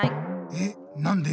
えなんで？